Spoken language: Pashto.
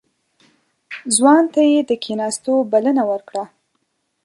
ځوان ته يې د کېناستو بلنه ورکړه.